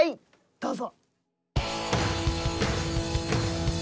どうぞ。